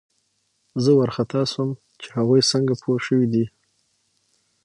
زه وارخطا شوم چې هغوی څنګه پوه شوي دي